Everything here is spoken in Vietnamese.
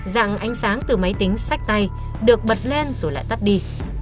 dạng ánh sáng từ máy tính sách tay được bật lên rồi lại tắt đi